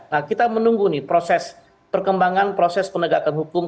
nah kita menunggu nih proses perkembangan proses penegakan hukum